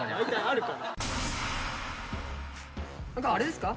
何かあれですか？